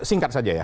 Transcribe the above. singkat saja ya